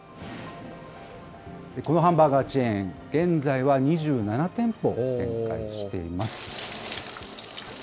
このハンバーガーチェーン、現在は２７店舗展開しています。